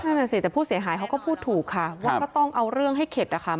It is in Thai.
นั่นแหละสิแต่ผู้เสียหายเขาก็พูดถูกค่ะว่าก็ต้องเอาเรื่องให้เข็ดนะคะ